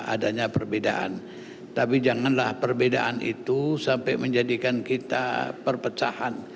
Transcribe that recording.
adanya perbedaan tapi janganlah perbedaan itu sampai menjadikan kita perpecahan